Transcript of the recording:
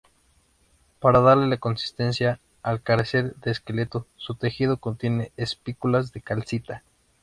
Para darle consistencia, al carecer de esqueleto, su tejido contiene espículas de calcita.